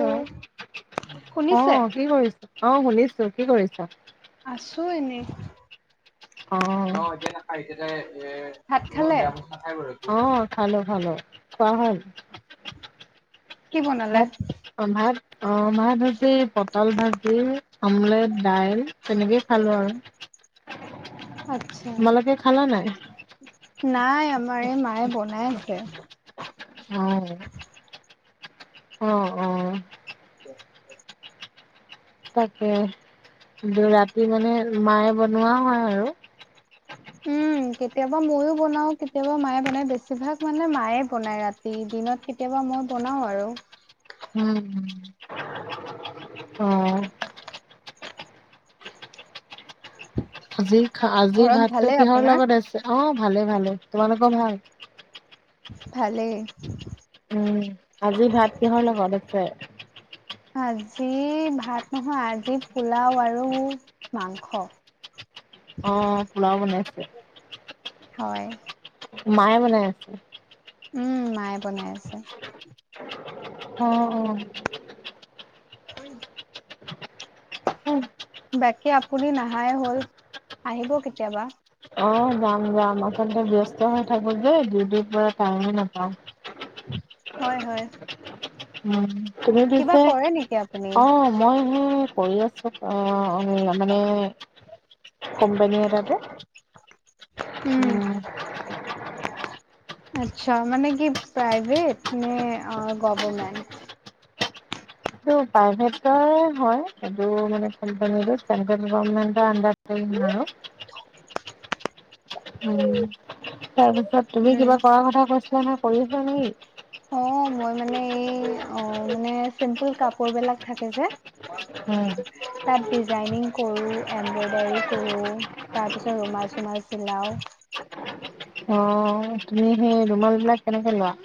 Hello শুনিছে? আহ কি কৰিছ আহ শুনিছো কি কৰিছা? আছো এনেই। অ এ ভাত খালে? অ খালো ভালো খোৱা হল। কি বনালে? ভাত অ ভাত - অ মাহ ভাজি পটল ভাজি আমলেট দাইল তেনেকেই খালো আৰু। আচ্ছা। তোমালোকে খালা নাই? নাই আমাৰ এই মায়ে বনাই আছে। উম উম উম। [inaudible] তাকে ৰাতি মানে মায়ে বনোৱা হয় আৰু। উম, [inaudible] কেতিয়াবা মইয়ো বনাও কেতিয়াবা মায়ে বনাই বেছিভাগ মানে মায়ে বনায় ৰাতি দিনত কেতিয়াবা মই বনাও আৰু। উম। অ। আজি খা আজিৰ ঘৰত ভাতটো ভালেই কিহৰ আপোনাৰ? লগত আছে? অ ভালে ভালে, তোমালোকৰ ভাল? ভালেই। উম আজি ভাত কিহৰ লগত আছে আজি ভাত নহয় আজি পোলাও আৰু মাংস অ পোলাও বনাইছে হয় মায়ে মনে আছে উম মায়ে বনাই আছে অ অ উম উম বাকী আপুনি নাহাই হ'ল আহিব কেতিয়াবা অ যাম যাম আচলতে ব্যস্ত হৈ থাকো যে ডউটিৰ পৰা টাইমে নাপাওঁ হয় হয় উম তুমি কিবা পিছে কৰে নেকি আপুনি? অ মই সে কৰি আছো আহ উ মানে কোম্পানী এটাতে উম আচ্ছা মানে কি প্ৰাইভেট নে গভামেণ্ট এটো প্ৰাইভেটৰ হয় এটো মানে কোম্পানীটো চেন্টেল গভৰমেণ্ট আন্ডাৰত পৰি [unintelligible] উম তাৰপিছত তুমি উম, কিবা কৰা কথা কৈছিলা নহয় কৰিছা নিকি অ মই মানে এই অ মানে চিম্পুল কাপোৰ বিলাক থাকে যে তাত ডিজাইনিং কৰো এমব্ৰইডাৰী কৰো তাৰ পিছত ৰুমাল চোমাল চিলাও অহ তুমি সে ৰুমাল বিলাক কেনেকে লোৱা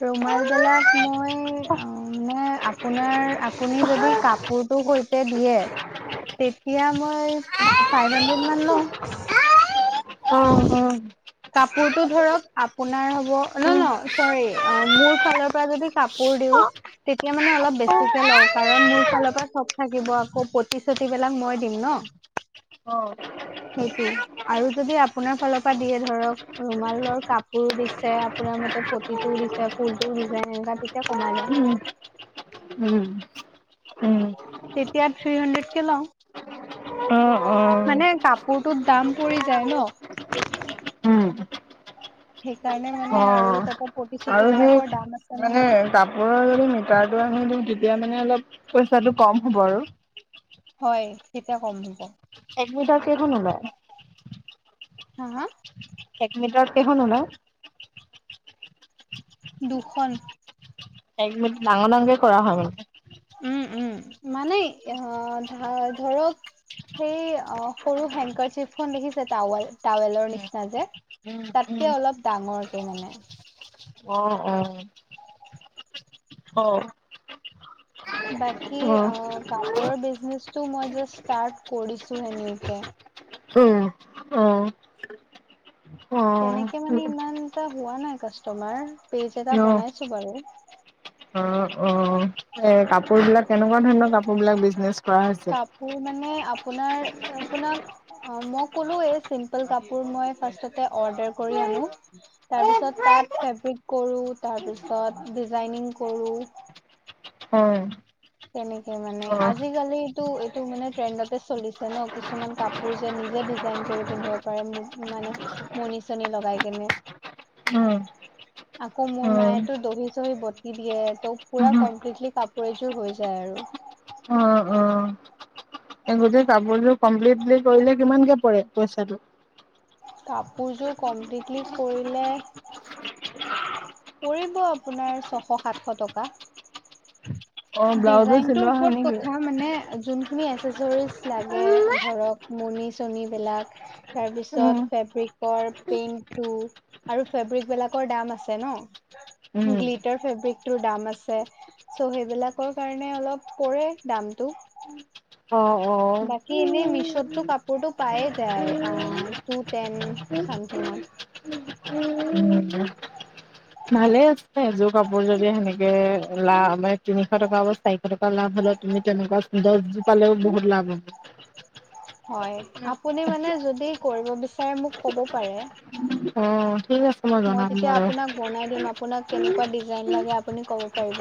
ৰুমাল বিলাক মই অ মই আপোনাৰ আপুনি যদি কাপোৰ ৰ সৈতে দিয়ে তেতিয়া মই ফাইভ হাণ্ড্ৰেড মান লওঁ অ অ কাপোৰটো ধৰক আপোনাৰ হব ন ন চৰি অ মোৰ ফালৰ পৰা যদি কাপ কাপোৰ দিওঁ তেতিয়া মানে অলপ বেছিকে লওঁ কাৰণ মোৰ ফালৰ পৰা চব থাকিব আকৌ পতিচতিবিলাক মই দিম ন অ সেইটো আৰু যদি আপ আপোনাৰ ফালৰ পৰা দিয়ে ধৰক ৰুমালৰ কাপোৰ দিছে আপোনাৰ মতে পতিটোও দিছে ফুলটো দিছে এনেকা তেতিয়া কমাই লওঁ উম তেতিয়া আৰু থ্ৰী হণ্ড্ৰেড কে লও অ', অ', মানে কাপোৰটোত দাম পৰি যায় ন উম, সেইকাৰণে মানে আৰু অ'। তাতে আৰু পতিচতি সেই বিলাকৰ দাম আছে মানে নহয় কাপোৰৰ যদি মিটাৰটো আনি দিও তেতিয়া মানে অলপ পইচাটো কম হ'ব আৰু হয় তেতিয়া কম হব একমিতা কেইখন ওলাই হা হা একমিটাত কেইখন ওলাই দুখন। এক মিট ডাঙৰ ডাঙকে কৰা হয় মানে? উম উম মানে অ ধা ধৰক সেই সৰু হেংকাৰ চিপখন দেখিছে? টাৱাল টাৱেলৰ নিচিনা যে। উম, উম, উম, তাতকে অলপ ডাঙৰকে মানে। অ অ অ। বাকী অ', অ'। আ কাপোৰৰ বিজনেচটো মই জাষ্ট স্টাৰ্ত কৰিছোহে নিউকে। অ', অ', অ', তেনেকে মানে ইমান এটা হোৱা নাই কাষ্টমাৰ, পেইজ এটা বনাইছো বাৰু। অ', এ কাপোৰ বিলাক কেনেকুৱা ধৰণৰ কাপোৰ বিলাক বিজনেচ কৰা কাপোৰ হৈছে? মানে আপোনাৰ আপোনাক অ মই ক'লোৱেই চিম্পল কাপোৰ মই ফাৰ্ষ্টতে অৰ্ডাৰ কৰি আ নো, তাৰপিছত তাত ফেব্ৰিক কৰো, তাৰপিছত ডিজাইনিং কৰো। [unintelligible] তেনেকে মানে, অ', অ', আজিকালিটো এইটো মানে ট্ৰেণ্ডতে চলিছে ন কিছুমান কাপোৰ যে--নি নিজে ডিজাইন কৰি পিন্ধিব পাৰে, মো মানে মনি চনি লগাই কেনে। উম। আকৌ মোৰ মায়েটো দহি চহি বতি দিয়ে। ত' পুৰা কমপ্লিটলি কাপোৰ এযোৰ হৈ যায়। যাই আৰু। এই গোটেই কাপোৰযোৰ কমপ্লিটলি কৰিলে, কিমানকে পৰে পইচাটো? কাপোৰযোৰ কমপ্লিটলি কৰিলে পৰিব আপোনাৰ ছশ সাতশ টকা। অ', ব্লাউজো ডিজাইনটোৰ চিলোৱা হয় ওপৰত নেকি? কথা মানে যোনখিনি এচেচৰিজ লাগে ধৰক ম'নি চনিবিলাক তাৰপিছত। উম, ফেব্ৰিকৰ পেইণ্টটো আৰু ফেব্ৰিক বিলাকৰ দাম আছে ন। উম, গ্লিটাৰ ফেব্ৰিকটোৰ দাম আছে, চ' সেইবিলাক লাকৰ কাৰণে অলপ পৰে দামটো। অ', অ'। বাকী এনেই মিছ'তটো কাপোৰতটো পায়ে যায় অ টু টেন চামথিঙত। উম ভালে আছে এযোৰ কাপোৰ যদি সেনেকে লা মানে তিনিশ টকা বা চাৰিশ টকা লাভ হ'লে। তুমি তেনেকুৱা দছযোৰ পালেও বহুত লাভ হ'ব। হয়, আপুনি মানে যদি কৰিব বিচাৰে মোক ক'ব পাৰে। অ ঠিক আছে মই জনাম তেতিয়া বাৰু আপোনাক বনাই দিম, আপুনাক কেনেকুৱা দিজাইন লাগে আপুনি ক'ব পাৰিব।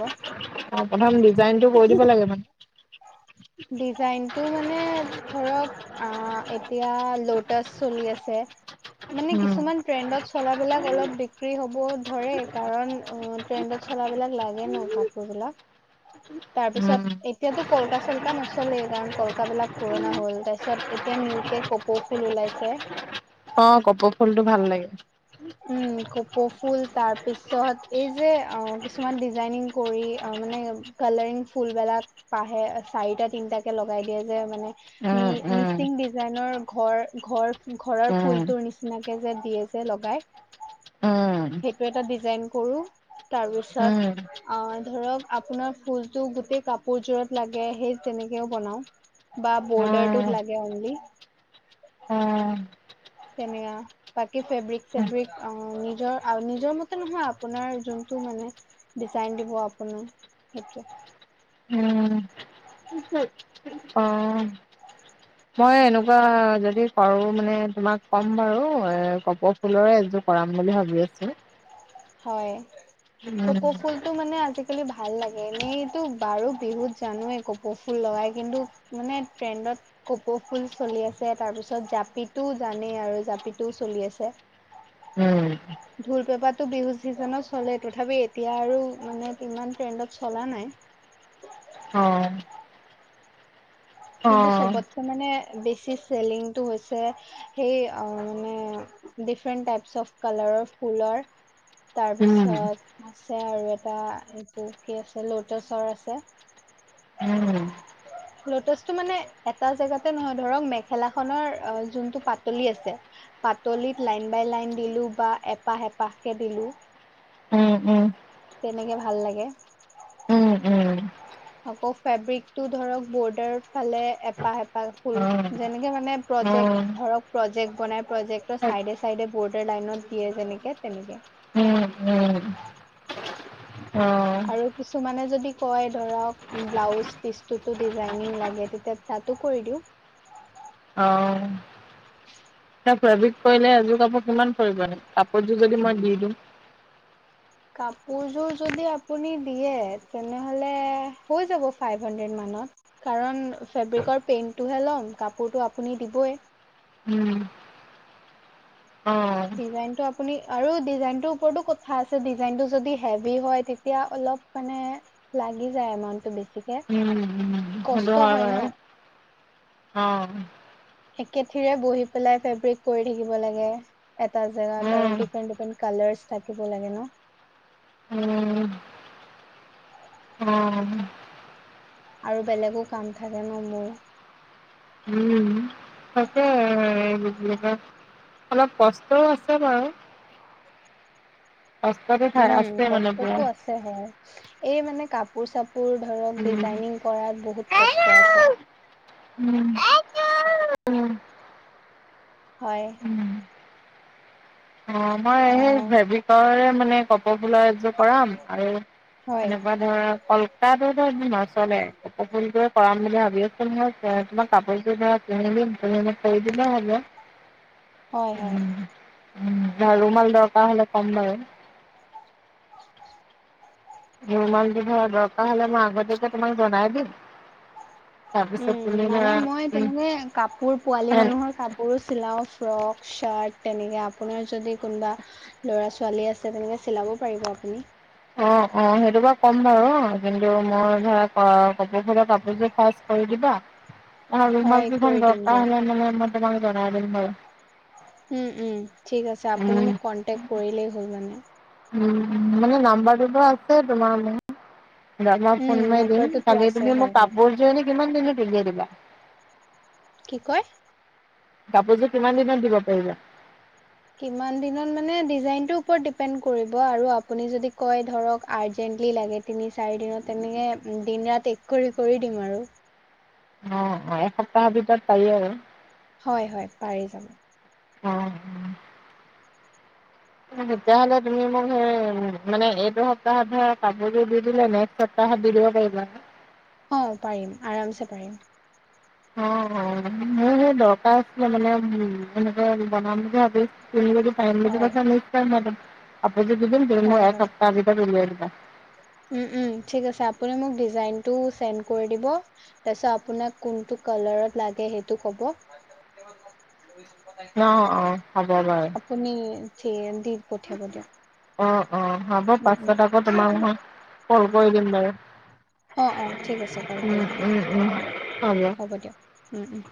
অ প্ৰথম ডিজাইনটো কৈ দিব লাগে মানে। ডিজাইনতটো মানে ধৰক, আ এতিয়া ল'টাচ চলি আছে। মানে কিছুমান ট্ৰেণ্ডত চলাবিলাক অলপ বিক্ৰী হ'ব ধৰে, কাৰণ অ ট্ৰেণ্ডত চলাবিলাক লাগে ন কাপোৰ। হেবিলাক উম উম তাৰপিছত, এতিয়াটো কলকাছল কা নচলেই, কাৰণ কলকাবিলাক পুৰণা হ'ল, তাৰপিছত এতিয়া নিওকে কপৌ ফুল ওলাইছে। অ ক'পৌ ফুলটো ভাল লাগে। ক'পৌফুল তাৰপিছত এইযে অ কিছুমান ডিজাইনিঙ কৰি অ মানে লাইঙ ফুল বেলাক পাহে চাৰিটা তিনিটাকে লগাই দিয়ে যে মানে, মি উম উম উম মিচিং দিজাই ডিজাইনৰ ঘৰ ঘৰ উম ঘৰৰ ফুলটোৰ নিচিনাকে যে দিয়ে যে লগাই। উম সেইটো এটা ডিজাইন কৰো। তাৰপিছত উম অ ধৰক, আপোনাৰ ফুলটো গোটেই কাপোৰযোৰত লাগে সেই তেনেকেও বনাও। বা ব'ৰ্ডাৰটোত লাগে অ'নলি। অ অ তেনেঅ বাকী ফেব্ৰিক চেব্ৰিক অ নিজৰ আউ নিজৰ মতে নহয় আপোনাৰ যোন টো মানে, ডিজাইন দিব আপোনাৰ সেইটোৱে। অ। মই এনেকুৱা যদি পাৰো মানে তোমাক ক'ম বাৰু এ কপৌ ফুলৰে এযো কৰাম বুলি ভাবি আছো হয় উম কপৌ ফুলতটো মানে আজিকালি ভাল লাগে এনেইতো বাৰু বিহুত জানোয়ে কপৌ ফুল লা গা কিন্তু মানে ট্ৰেণ্ডত কপৌ ফুল চলি আছে তাৰ পিছত জাপিতো জানেই আৰু জাপিটোও চলি আছে উম ঢোল পেপাটো বিহু চিজনত চলে, তথাপি এতিয়া আৰু মানে ইমান ট্ৰেণ্ডত চলা নাই। অ' কিন্তু অ', চবতকৈ মানে বেছি চেলিংটো হৈছে, সেই মানে ডিফাৰেণ্ট টাইপছ অফ কালাৰৰ ফুলৰ উম, তাৰপিছত আছে আৰু এটা এইটো কি আছে, লোটাছৰ আছে উম টো মানে এটা জেগাতে নহয়, ধৰক মেখেলাখনৰ‌ জোনটো পাতলি আছে, পাতলিটো টোত লাইন বাই লাইন দিলো বা এপাহ এপাহকে দিলো উম, তেনেকে ভাল লাগে। উম, উম, আকৌ ফেব্ৰিকটো ধৰক বৰ্ডাৰ ফালে এপাহ, এপাহ ফুল অ', অ', যেনেকে মানে প্ৰজেক্ট উম, ধৰক, প্ৰজেক্ট বনাই, প্ৰজেক্টৰ চাইডে, চাইডে বৰ্ডাৰ লাইনত দিয়ে যেনেকে তেনেকে। উম। অ', আৰু কিছুমানে যদি কয় ধৰক ব্লাউজ পিচটোতো ডিজাইনিং লাগে তেতিয়া তাতো কৰি দিওঁ। অ'। ফেব্ৰিক কৰিলে এযোৰ কাপোৰ কিমান পৰিব? কাপোৰযোৰ যদি মই দি দিওঁ? কাপোৰযোৰ যদি আপুনি দিয়ে, তেনেহ'লে হৈ যাব ফাইভ হাণ্ডেদ মান কাৰণ ফেব্ৰিকৰ পেইণ্টোহে ল'ম, কাপোৰটো আপুনি দিবই। উম। অ', ডিজাইনটো আপুনি আৰু ডিজাইনটো ওপৰতো কথা আছে ডিজাইনটো যদি হেভি হয়, তেতিয়া অল অলপ মানে লাগি যায়, এমাউন্টটো বেছিকে। [unintelligible] কষ্ট হয়, ন? অহ। একেঠিৰে বহি পেলাই ফেব্ৰিক কৰি থাকিব লাগে, এটা জেগাত আৰু উম, ডিফাৰেণ্ট, ডিফাৰেন্ট কালাৰ [unintelligible] থাকিব লাগে ন? উম অ', আৰু বেলেগো কাম থাকে ন! মোৰ। উম, তাকে [inaudible] অলপ কষ্টয়ো আছে বাৰু। কষ্টটো ঠাই উম, আছে মানে পুৰা কষ্টটো আছে হয়, এই মানে কাপোৰ চা পোৰ ধৰক, ডিজাইনিং কৰাত বহুত কষ্ট আছে। উম উম, [unintelligible] উম। হয়। উম। অ, মই অ সেই ভেবিকৰে মানে কপ ফুলা এযোৰ কৰাম। আৰু হয় এনেকুৱা ধৰা কলকাতোতো নাচলে কপৌ ফুলটে কৰাম বুলি ভাবি আছো নহয় তোমাৰ কাপোৰযোৰ ধৰা কিনি দিম তুমি মোক কৰি দিলে হ'ব। হয় হয়। উম, উম আৰু ৰুমাল দৰকাৰ হলে কম বাৰু। ৰুমাল ধৰা দৰকাৰ হ'লে মই আগতীয়াকে তোমাক জনাই দিম তাৰপিছত উম। তুমি মানে ধৰা মই উম, তেনেকে কাপোৰ পোৱালি এন মানুহৰ কাপোৰো চিলাও। ফ্ৰক চাৰ্ট তেনেকে আপোনাৰ যদি কোনোবা ল'ৰা, ছোৱালী আছে তেনেকে চিলাব পাৰিব আপুনি অ, অ সেইটো বাৰ ক'ম বাৰু কিন্তু মই ধৰা কপৌ ফুলৰ কাপোৰযোৰ ফাৰ্ষ্ট কৰি দিবা। আৰু হয় ৰুমাল কেইখন কৰি দিম দৰকাৰ দিয়ক হলে মানে মই তোমাক জনাই দিম বাৰু। উম, উম, ঠিক আছে আপুনি উম। মোক কন্টেক কৰিলেই হল মানে। উম। মানে নাম্বাৰটো বাৰু আছে তোমাৰ মোৰ মই উম, ফোন মাৰি দিম। নম্বৰটোতো খালি আছে তুমি হয়, মোক হয়। কাপোৰযোৰ এনে কিমান দিনত উলিয়াই দিবা? কি কয়? কাপোৰযোৰ কিমান দিনত দিব পাৰিবা। কিমান দিনত মানে ডিজাইন টোৰ ওপৰত ডিপেন্ড কৰিব আৰু আপুনি যদি কয় ধৰক আৰ্জেন্ট লাগে তিনি, চাৰি দিনত তেনেকে দিন ৰাত এক কৰি কৰি দিম আৰু। অ অ এসপ্তাহৰ ভিতৰত পাৰি আৰু। হয় হয় পাৰি যাব। অ। ঠিক আছে। তেতিয়া হ'লে তুমি মোক, সেই মানে, এইটো সপ্তাহত ধৰা কাপোৰযোৰ দি দিলে, নেক্সট সপ্তাহ সপ্তাহত দি দিব পাৰিবা অ', পাৰিম। আৰামছে পাৰিম। অ', অ'। মোৰ সেই দৰকাৰ আছিলে, মানে, উম, এনেকে বনাম বুলি ভাবি তুমি যদি পাইম ম বুলি হয়। কৈছা নিশ্চয় মই দিম। ধৈৰ্য্য দি দিম তুমি হয় মই এক হয় সপ্তাহৰ ভিতৰত উলিয়াই দিবা। উম উম থিক আছে আপুনি মোক ডিজাইন টো ছেন্ড কৰি দিব তাৰপিছত আপোনাক কোনটো কালাৰত লাগে সেইটো ক'ব অ', অ', হ'ব বাৰু আপুনি থি দি পঠিয়াব দিয়ক। অ অ হ'ব উম উম পাছত আকৌ তোমাক মই কল কৰি দিম বাৰু। অ অ ঠিক আছে কল উম, কৰিব দিয়ক উম, উম, উ হ'ব দিয়ক উ উম।